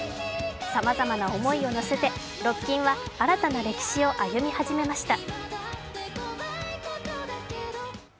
さまざまな思いを乗せてロッキンは新たな歴史を歩み始めました。